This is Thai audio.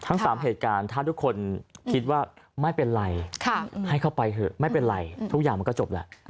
ทั้ง๓เหตุการณ์ถ้าทุกคนคิดว่าไม่เป็นไรให้เข้าไปเถอะไม่เป็นไรทุกอย่างมันก็จบแล้ว